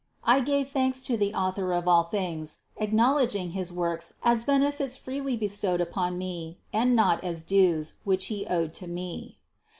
I gave thanks to the Author of all things, ac knowledging his works as benefits freely bestowed upon me, and not as dues, which He owed to me.